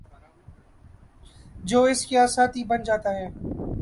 جو اس کا ساتھی بن جاتا ہے